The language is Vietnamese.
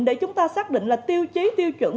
để chúng ta xác định là tiêu chí tiêu chuẩn